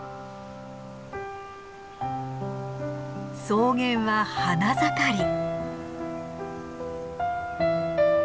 草原は花盛り。